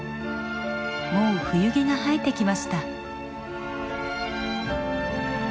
もう冬毛が生えてきました。